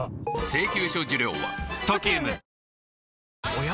おや？